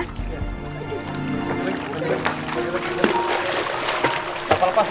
kapan lepas ya